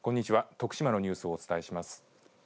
徳島のニュースをお伝えします。